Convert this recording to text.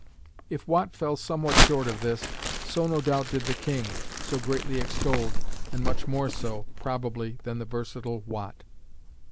If Watt fell somewhat short of this, so no doubt did the king so greatly extolled, and much more so, probably, than the versatile Watt.